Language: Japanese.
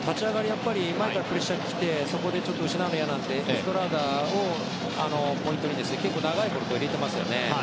やっぱり前からプレッシャーにきてそこで失うのが嫌なのでエストラーダをポイントに結構長いボールを入れてますね。